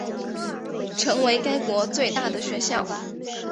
成为该国最大的学校。